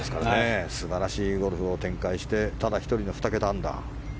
素晴らしいゴルフを展開してただ１人の２桁アンダー。